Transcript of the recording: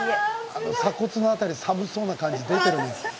鎖骨の辺り寒そうなの感じが出ていますね。